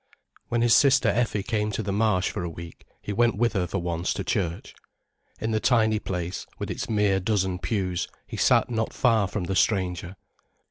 When his sister Effie came to the Marsh for a week, he went with her for once to church. In the tiny place, with its mere dozen pews, he sat not far from the stranger.